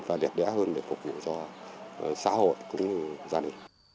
và đẹp đẽ hơn để phục vụ cho xã hội cũng như gia đình